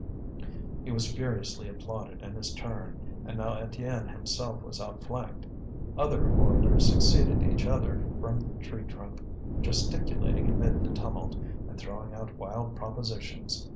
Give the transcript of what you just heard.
He was furiously applauded in his turn, and now Étienne himself was outflanked. Other orators succeeded each other from the tree trunk, gesticulating amid the tumult, and throwing out wild propositions.